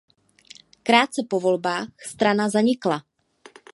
Krátce po volbách strana zanikla.